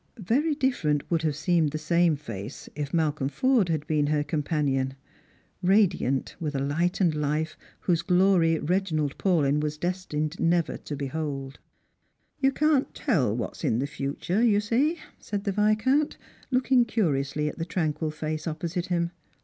Very different would have seemed the same face if Malcolm Forde had been her companion — radiant with a light and life whose glory Eeginald Paulyn was destined never to behold. " You can't tell what's in the future, you see," said the Viscount, looking curiously at the tranquil face opposite him.